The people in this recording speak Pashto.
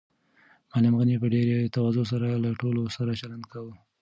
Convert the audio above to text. معلم غني په ډېرې تواضع سره له ټولو سره چلند کاوه.